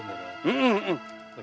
tunggu dulu doro